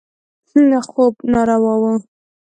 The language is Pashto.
خوب ناروا و.